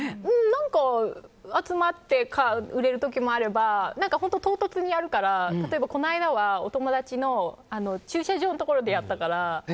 何か集まって売れる時もあれば本当、唐突にやるから例えばこの間はお友達の駐車場のところでやったから。